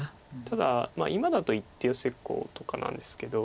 ただ今だと一手ヨセコウとかなんですけど。